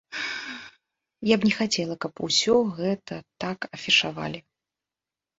Я б не хацела, каб усё гэта так афішавалі.